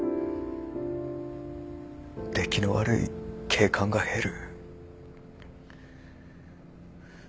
出来の悪い警官が減る。